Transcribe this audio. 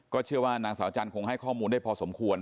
เชื่อว่านางสาวจันทงให้ข้อมูลได้พอสมควร